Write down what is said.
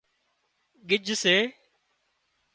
گج سي